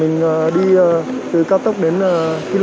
mình đi từ tuyên quang đến hà nội